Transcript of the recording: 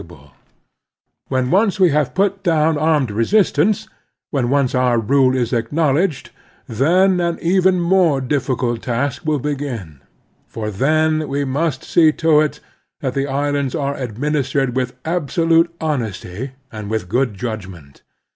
The Strenuous Life ai When once we have put down armed resistance, when once our rule is acknowledged, then an even more difficult task will begin, for then we must see to it that the islands are administered with abso lute honesty and with good judgment.